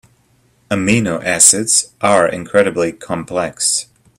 Amino acids are incredibly complex.